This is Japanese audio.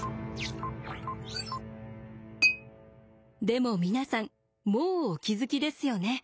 でも皆さんもうお気付きですよね。